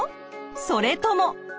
それとも！？